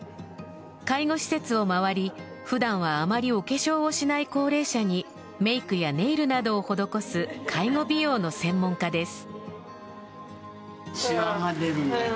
介護施設を回り、普段はあまりお化粧をしない高齢者にメイクやネイルなどを施す介護美容の専門家です。